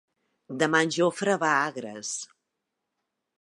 Demà en Jofre va a Agres.